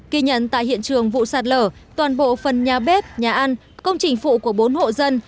kỳ nhận tại hiện trường vụ sạt lở toàn bộ phần nhà bếp nhà ăn công trình phụ của bốn hộ dân